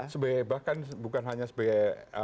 sebagai bahkan bukan hanya sebagai